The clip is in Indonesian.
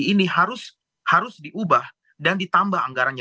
penganggaran untuk pendidikan tinggi ini harus diubah dan ditambah anggarannya